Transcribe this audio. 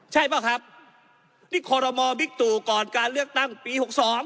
ใช่ป่ะครับนี่คอรมอบิ๊กตู่ก่อนการเลือกตั้งปี๖๒